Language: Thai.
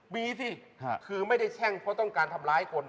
มีสิคือไม่ได้แช่งเพราะต้องการทำร้ายคน